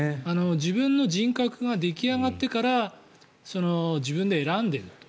自分の人格が出来上がってから自分で選んでると。